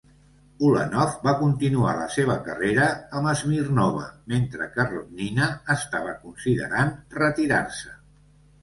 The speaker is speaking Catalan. Ulanov va continuar la seva carrera amb Smirnova, mentre que Rodnina estava considerant retirar-se.